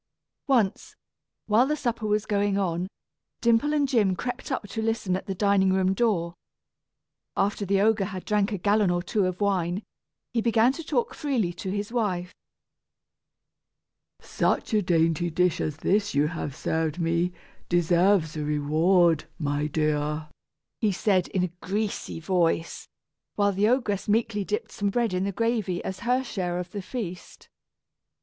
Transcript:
Once, while the supper was going on, Dimple and Jim crept up to listen at the dining room door. After the ogre had drank a gallon or two of wine, he began to talk freely to his wife. "Such a dainty dish as this you have served me deserves a reward, my dear," he said in a greasy voice, while the ogress meekly dipped some bread in the gravy as her share of the feast.